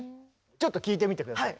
ちょっと聴いてみて下さい。